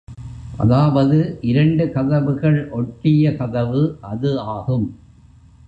அதாவது இரண்டு கதவுகள் ஒட்டிய கதவு அது ஆகும்.